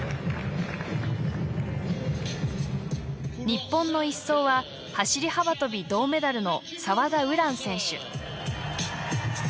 日本の１走は走り幅跳び銅メダルの澤田優蘭選手。